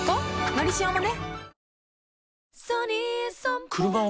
「のりしお」もね